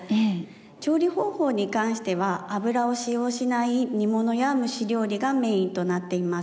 調理方法に関しては油を使用しない煮物や蒸し料理がメインとなっています。